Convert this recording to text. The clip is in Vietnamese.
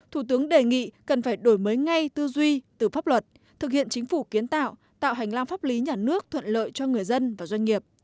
thủ tướng đề nghị cần phải đổi mới ngay tư duy từ pháp luật thực hiện chính phủ kiến tạo tạo hành lang pháp lý nhà nước thuận lợi cho người dân và doanh nghiệp